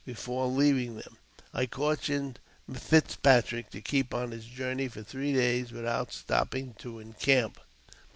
Before leaving them, I cautioned Fitzpatrick to keep on his journey for three days without stopping to encamp.